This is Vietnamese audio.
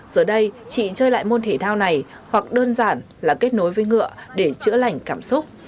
giờ đây chị chơi lại môn thể thao này hoặc đơn giản là kết nối với ngựa để chữa lành cảm xúc